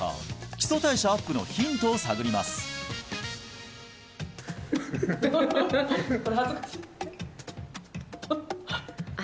基礎代謝アップのヒントを探りますさあ